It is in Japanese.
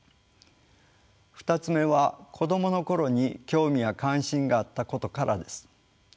２つ目は子どもの頃に興味や関心があったことからです。